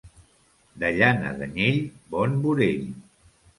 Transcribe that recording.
De llana d'anyell, bon burell.